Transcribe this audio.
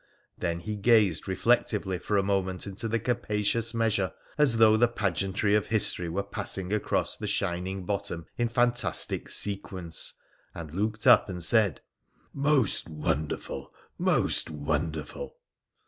Then he gazed reflectively for a moment into the capacious measure, as though the pageantry of history were passing across the shining bottom in fantastic sequence, and looked up and said — 'Most wonderful — most wonderful